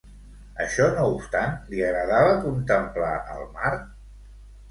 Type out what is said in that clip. Això no obstant, li agradava contemplar el mar?